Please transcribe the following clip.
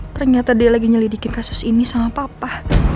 ternyata dia lagi nyelidikin kasus ini sama papa